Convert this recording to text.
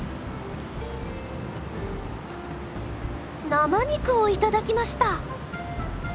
生肉を頂きました。